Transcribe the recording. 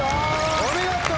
お見事！